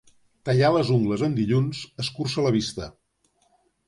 Tallar les ungles en dilluns, escurça la vista.